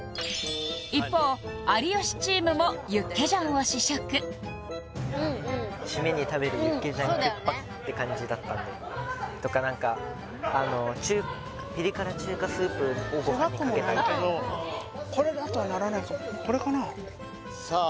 一方有吉チームもユッケジャンを試食シメに食べるユッケジャンクッパって感じだったんでとか何かピリ辛中華スープをごはんにかけたみたいな違くもないけどこれかなあ？